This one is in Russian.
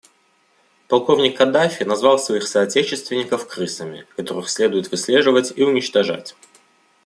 Полковник Каддафи назвал своих соотечественников «крысами», которых следует выслеживать и уничтожать.